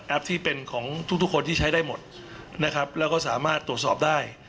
ที่เป็นของทุกทุกคนที่ใช้ได้หมดนะครับแล้วก็สามารถตรวจสอบได้